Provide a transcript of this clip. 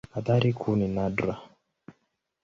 Athari kuu ni nadra.